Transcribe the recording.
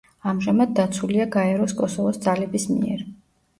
ამჟამად დაცულია გაეროს კოსოვოს ძალების მიერ.